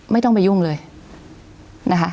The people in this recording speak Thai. ไม่ต้องไปยุ่งเลยนะคะ